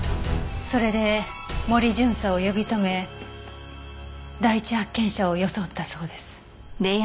それで森巡査を呼び止め第一発見者を装ったそうです。